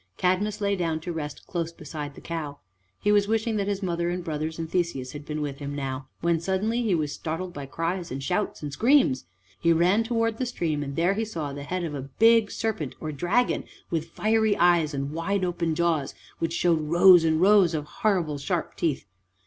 Cadmus lay down to rest close beside the cow. He was wishing that his mother and brothers and Theseus had been with him now, when suddenly he was startled by cries and shouts and screams. He ran towards the stream, and there he saw the head of a big serpent or dragon, with fiery eyes and with wide open jaws which showed rows and rows of horrible sharp teeth.